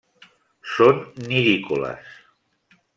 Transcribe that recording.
Són nidícoles.